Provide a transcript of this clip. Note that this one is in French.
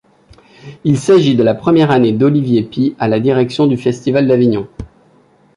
Il s'agit de la première année d'Olivier Py à la direction du Festival d'Avignon.